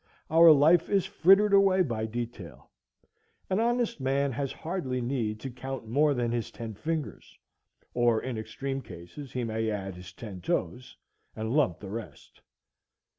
Our life is frittered away by detail. An honest man has hardly need to count more than his ten fingers, or in extreme cases he may add his ten toes, and lump the rest.